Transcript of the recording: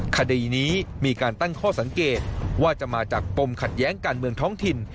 คดีนี้มีการตั้งข้อสังเกตว่าจะมาจากปมขัดแย้งการเมืองท้องถิ่น